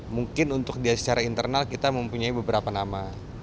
mungkin untuk dia secara internal kita mempunyai beberapa nama